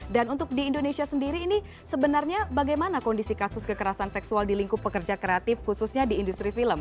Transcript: dan untuk di indonesia sendiri ini sebenarnya bagaimana kondisi kasus kekerasan seksual di lingkup pekerja kreatif khususnya di industri film